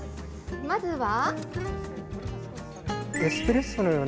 まずは。